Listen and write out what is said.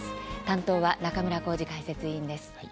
担当は中村幸司解説委員です。